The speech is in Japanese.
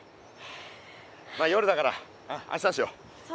まあ夜だから明日にしよう。